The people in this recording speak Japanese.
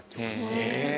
へえ。